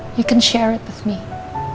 kamu bisa berbagi sama mama